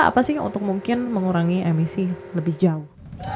apa sih yang untuk mungkin mengurangi emisi lebih jauh